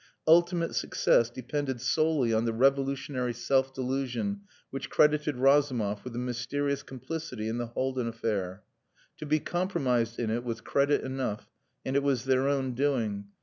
Ultimate success depended solely on the revolutionary self delusion which credited Razumov with a mysterious complicity in the Haldin affair. To be compromised in it was credit enough and it was their own doing.